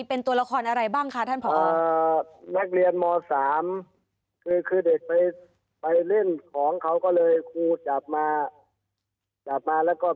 เป็นการซ้อนเด็กแสดงบทบาทสมมุตินะครับ